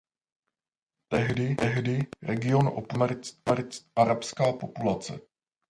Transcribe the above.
Tehdy region opustila arabská populace.